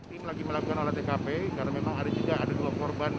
tim lagi melakukan olah tkp karena memang ada juga ada dua korban